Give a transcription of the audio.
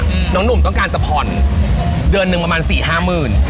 อืมน้องหนุ่มต้องการจะผ่อนเดือนหนึ่งประมาณสี่ห้าหมื่น